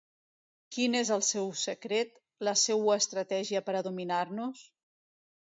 Quin és el seu secret, la seua estratègia per a dominar-nos?